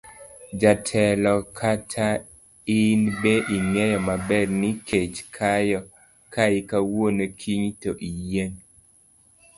Jatelo kata in be ing'eyo maber ni kech kayi kawuono kiny to iyieng'.